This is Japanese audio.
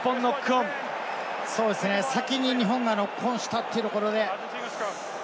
先に日本がノックオンしたというところで。